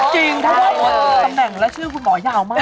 จริงถ้าตำแหน่งและชื่อคุณหมอยาวมาก